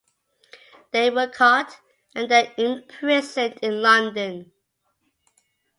They were caught, and then imprisoned in London.